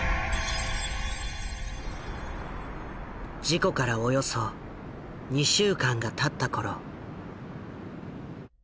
事故からおよそ２週間がたった頃。